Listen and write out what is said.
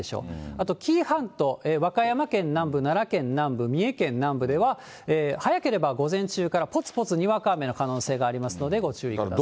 あと紀伊半島、和歌山県南部、奈良県南部、三重県南部では、早ければ午前中からぽつぽつにわか雨の可能性がありますので、ご注意ください。